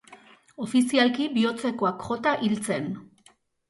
Ofizialki bihotzekoak jota hil zen.